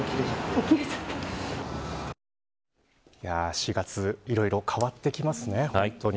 ４月、いろいろ変わってきますね、本当に。